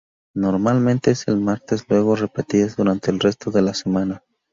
Normalmente es el martes luego repetidas durante el resto de la semana.